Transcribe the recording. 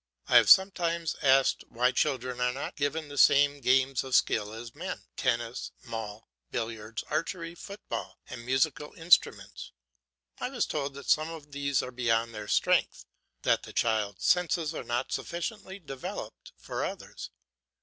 I have sometimes asked why children are not given the same games of skill as men; tennis, mall, billiards, archery, football, and musical instruments. I was told that some of these are beyond their strength, that the child's senses are not sufficiently developed for others.